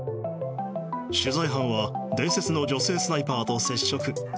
取材班は伝説の女性スナイパーと接触。